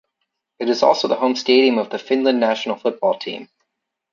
It is also the home stadium of the Finland national football team.